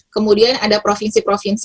kemudian ada provinsi provinsi